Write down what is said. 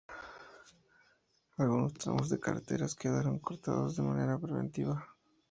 Algunos tramos de carreteras quedaron cortados de manera preventiva.